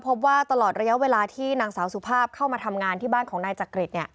พบว่าตลอดระยะเวลาที่นางสาวสุภาพเข้ามาทำงานที่บ้านของนายจักริต